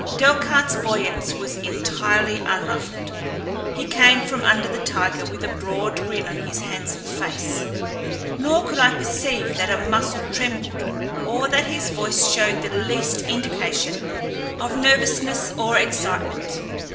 Delcarte's buoyance was entirely unruffled. He came from under the tiger with a broad grin on his handsome face, nor could I perceive that a muscle trembled or that his voice showed the least indication of nervousness or excitement.